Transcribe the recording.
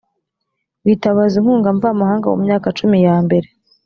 rwitabaza inkunga mvamahanga mu myaka cumi yambere